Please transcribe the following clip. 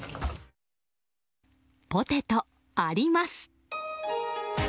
ポテト、あります！